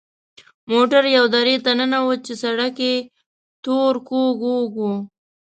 موټر یوې درې ته ننوت چې سړک یې تور کوږ وږ و.